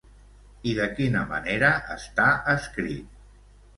I de quina manera està escrit?